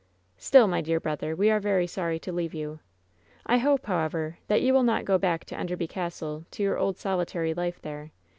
"Still, my dear brother, we are very sorry to leave you. I hope, however, that you will not go back to En derby Castle, to your old solitary life there.